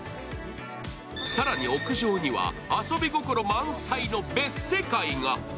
更に屋上には、遊び心満載の別世界が。